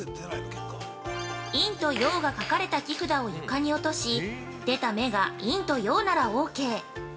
「陰と陽」が書かれた木札を床に落とし、出た目が「陰と陽」ならオーケー。